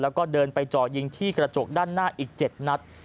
แล้วก็เดินไปจ่อยิงที่กระจกด้านหน้าอีก๗นัด